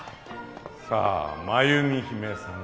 さあ真弓姫さま